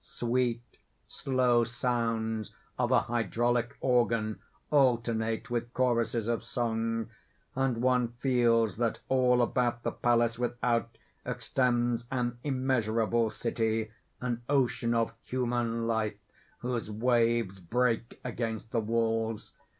Sweet slow sounds of a hydraulic organ alternate with choruses of song; and one feels that all about the palace without extends an immeasurable city an ocean of human life whose waves break against the walls.